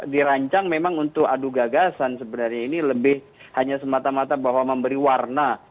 dirancang memang untuk adu gagasan sebenarnya ini lebih hanya semata mata bahwa memberi warna